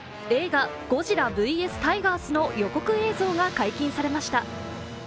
映画「ゴジラｖｓタイガース」の予告映像が解禁されました。